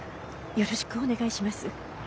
よろしくお願いします。